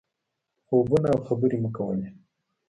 خوبونه او خبرې مو کولې.